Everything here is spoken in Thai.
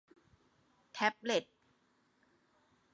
แท็บเลต